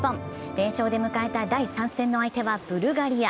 連勝で迎えた第３戦の相手はブルガリア。